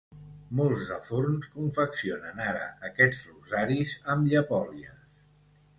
Molts de forns confeccionen ara aquests rosaris amb llepolies.